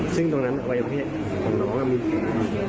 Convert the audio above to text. ซึ่งตรงนั้นวัยเผ็ดของน้องมีแผล